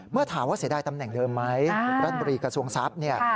เมื่อถามว่าเสียดายตำแหน่งเดิมไหมรัฐบุรีกระทรวงทรัพย์เนี่ย